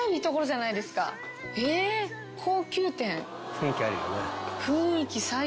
雰囲気あるよね。